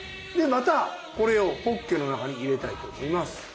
またこれをポッケの中に入れたいと思います。